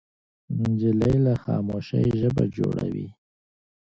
نجلۍ له خاموشۍ ژبه جوړوي.